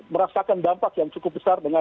merasakan dampak yang cukup besar dengan